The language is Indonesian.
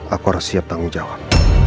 aku harus siap tanggung jawab